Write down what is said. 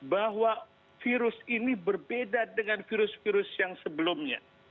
bahwa virus ini berbeda dengan virus virus yang sebelumnya